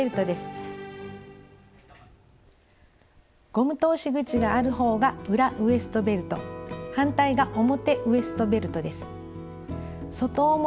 ゴム通し口がある方が裏ウエストベルト反対が表ウエストベルトです。